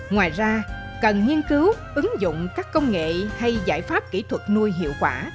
ngoài ra cần nghiên cứu ứng dụng các công nghệ hay giải pháp kỹ thuật nuôi hiệu quả